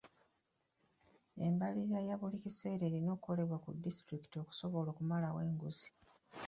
Embalirira ya buli kaseera erina okukolebwa ku disitulikiti okusobola okumalawo enguzi.